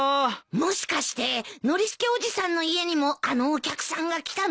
もしかしてノリスケおじさんの家にもあのお客さんが来たの？